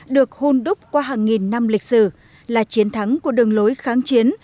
được hôn đúc qua hàng nghìn năm lịch sử là chiến thắng của đường lối kháng chiến